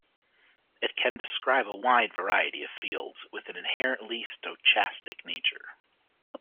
It can describe a wide variety of fields with an inherently stochastic nature.